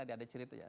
tadi ada cerita